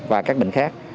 và các bệnh khác